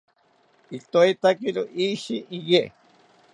itoetakiro ishi iye